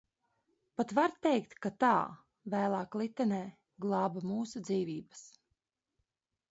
Pat var teikt, ka tā, vēlāk Litenē, glāba mūsu dzīvības.